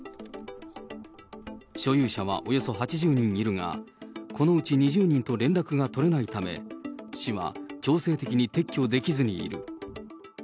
所有者はおよそ８０人いるが、このうち２０人と連絡が取れないため、市は強制的に撤去できずにいる。